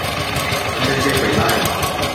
ไม่ได้เรียกไปไล่